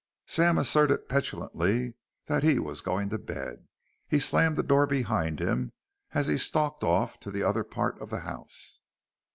Sam asserted petulantly that he was going to bed. He slammed the door behind him as he stalked off to the other part of the house.